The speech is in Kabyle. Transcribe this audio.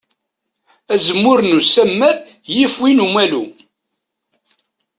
Azemmur n usammar yif win n umalu.